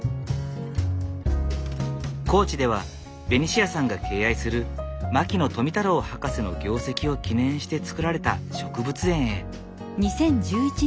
高知ではベニシアさんが敬愛する牧野富太郎博士の業績を記念して造られた植物園へ。